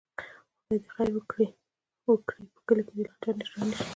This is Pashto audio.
خدای دې خیر وکړي، په کلي کې دې لانجه نه راشي.